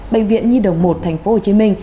bệnh viện nhi đồng một tp hcm